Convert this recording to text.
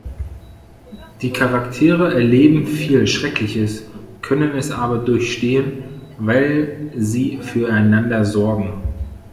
Die Charaktere erleben viel Schreckliches, können es aber durchstehen, weil sie füreinander sorgen.